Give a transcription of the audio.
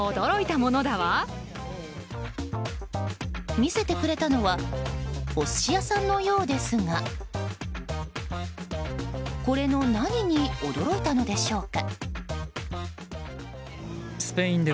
見せてくれたのはお寿司屋さんのようですがこれの何に驚いたのでしょうか。